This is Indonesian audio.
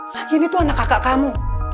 laki ini tuh anak kakak kamu